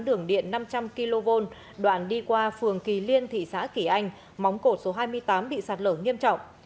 đường điện năm trăm linh kv đoạn đi qua phường kỳ liên thị xã kỳ anh móng cột số hai mươi tám bị sạt lở nghiêm trọng